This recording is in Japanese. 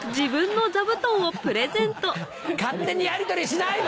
勝手にやりとりしないの！